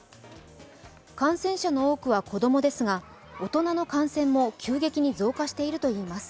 感染者の多くは子供ですが大人の感染も急激に増加しているといいます。